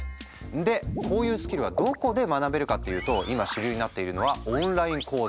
でこういうスキルはどこで学べるかっていうと今主流になっているのはオンライン講座。